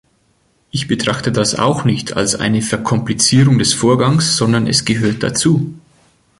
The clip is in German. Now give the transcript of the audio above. Ich betrachte das auch nicht als eine Verkomplizierung des Vorgangs, sondern es gehört dazu.